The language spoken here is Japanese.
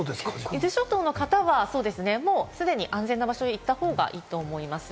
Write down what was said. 伊豆諸島の方は既に安全な場所に行った方がいいと思います。